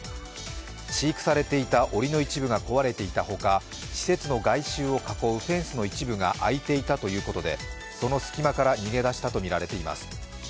飼育されていたおりの一部が壊れていたほか、施設の外周を囲うフェンスの一部が開いていたということでそのすき間から逃げ出したとみられています。